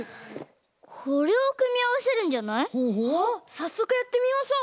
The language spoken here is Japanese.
さっそくやってみましょう！